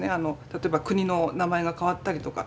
例えば国の名前が変わったりとか。